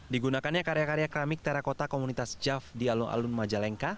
digunakannya karya karya keramik terakota komunitas jav di alun alun majalengka